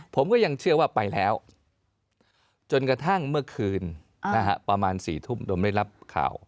ผมก็ยังเชื่อว่าไปแล้วจนกระทั่งเมื่อคืนประมาณ๔ทุ่มโดยไม่รับข่าว